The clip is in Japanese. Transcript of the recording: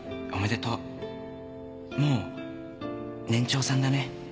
「もう年長さんだね」